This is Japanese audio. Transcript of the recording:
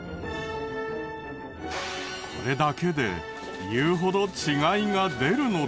これだけで言うほど違いが出るのだろうか？